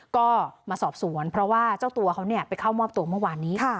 ก็มาสอบสวนเพราะว่าเจ้าตัวเขาไปเข้ามอบตัวเมื่อวานนี้